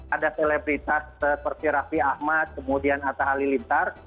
ada selebritas seperti raffi ahmad kemudian atta halilintar